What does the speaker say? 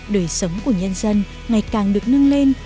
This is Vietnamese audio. đời sống của nhân dân ngày càng được nâng lên